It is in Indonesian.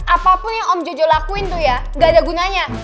apapun yang om jojo lakuin tuh ya gak ada gunanya